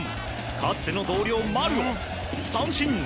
かつての同僚、丸は三振。